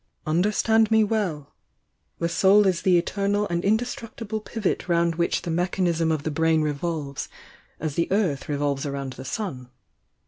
Understand me well! The soul is the eternal and indestructible pivot round which the THE YOUXG DIANA 161 mechanism of the brain revolves, as the earth re volves round the sun.